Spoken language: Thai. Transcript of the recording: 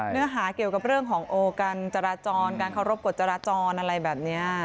เนื้อหาเกี่ยวกับเรื่องของโอการจราจรการเคารพกฎจราจรอะไรแบบนี้